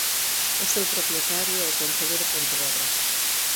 O seu propietario é o Concello de Pontevedra.